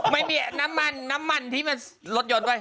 ไม่มีน้ำมันน้ำมันที่มันรถยนต์ด้วย